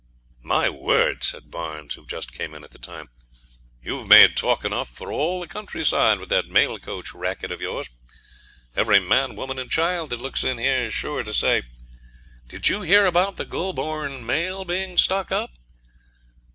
'My word!' said Barnes, who just came in at the time, 'you've made talk enough for all the countryside with that mail coach racket of yours. Every man, woman, and child that looks in here's sure to say, "Did you hear about the Goulburn mail being stuck up?"